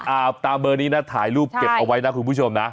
ตามเบอร์นี้นะถ่ายรูปเก็บเอาไว้นะคุณผู้ชมนะ